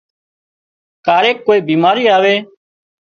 ڪاريڪ ڪوئي بيماري آوي